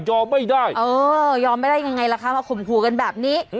อ๋อยอมไม่ได้ยังไงล่ะคะมาข่มขัวกันแบบนี้